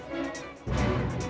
lihat ikan itu